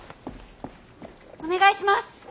お願いします！